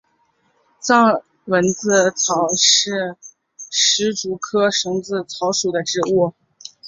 藏蝇子草是石竹科蝇子草属的植物。